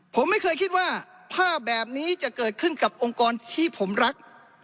ผมไม่เคยคิดว่าภาพแบบนี้จะเกิดขึ้นกับองค์กรที่ผมรัก